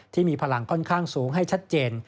ที่มีพลังค่อนข้างสูงให้ชัดเจน